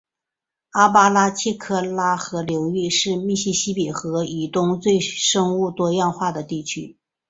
阿巴拉契科拉河流域是密西西比河以东最生物多样化的地区